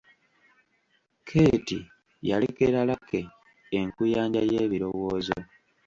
Keeti yalekera Lucky enkuyanja y’ebirowoozo.